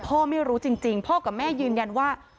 ไม่รู้จริงพ่อกับแม่ยืนยันว่า